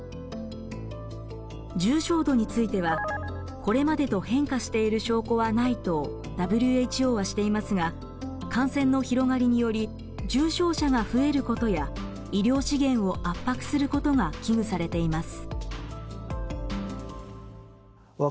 重症度については「これまでと変化している証拠はない」とＷＨＯはしていますが感染の広がりにより重症者が増えることや医療資源を圧迫することが危惧されています。